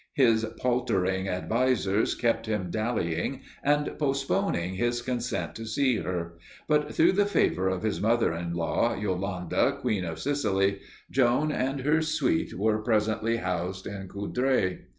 His paltering advisers kept him dallying, and postponing his consent to see her, but through the favor of his mother in law, Yolande, Queen of Sicily, Joan and her suite were presently housed in Coudray.